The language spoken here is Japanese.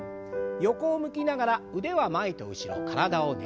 横を向きながら腕は前と後ろ体をねじります。